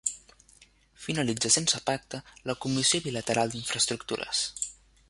Finalitza sense pacte la comissió bilateral d'infraestructures